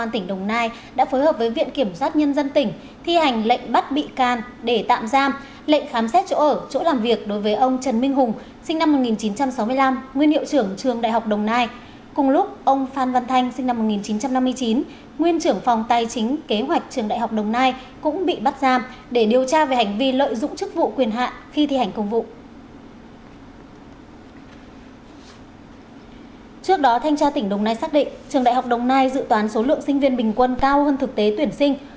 trước đó thanh tra tỉnh đồng nai xác định trường đại học đồng nai dự toán số lượng sinh viên bình quân cao hơn thực tế tuyển sinh